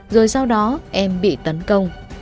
rồi sau đó em bị tấn công